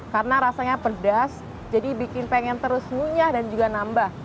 karena rasanya pedas jadi bikin pengen terus munyah dan juga nambah